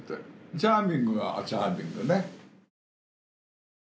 チャーミングはチャーミングね。